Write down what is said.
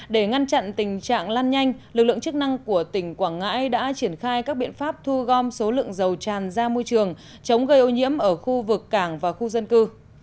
để ngăn chặn tình trạng lan nhanh lực lượng chức năng của tỉnh quảng ngãi đã triển khai các biện pháp thu gom số lượng dầu tràn ra môi trường chống gây ô nhiễm ở khu vực cảng và khu dân cư